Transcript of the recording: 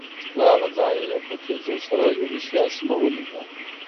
له هغه ځایه یې په تېزۍ سره یورشیا سیمه ونیوله.